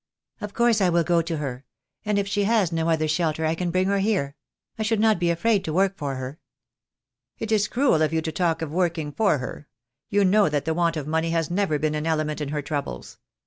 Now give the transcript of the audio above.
"Of course I will go to her — and if she has no other shelter I can bring her here. I should not be afraid to work for her." "It is cruel of you to talk of working for her. You know that the want of money has never been an element in her troubles.